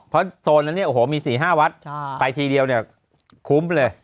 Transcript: เพราะโซนนั้นเนี่ยโอ้โหมี๔๕วัดไปทีเดียวเนี่ยคุ้มเลย